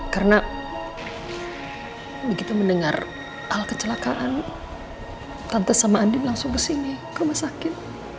karena begitu mendengar hal kecelakaan tante sama andin langsung kesini ke masakit